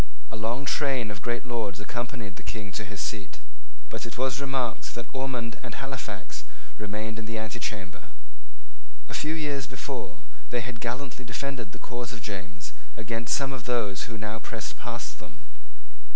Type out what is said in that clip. A long train of great lords accompanied the King to his seat. But it was remarked that Ormond and Halifax remained in the antechamber. A few years before they had gallantly defended the cause of James against some of those who now pressed past them.